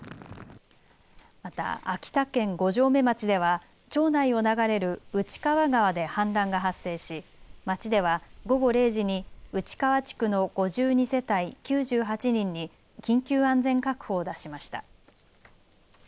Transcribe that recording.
また秋田県五城目町では町内を流れる内川川で氾濫が発生し、町では午後０時に内川地区の５２世帯９８人に緊急安全確保を出しました。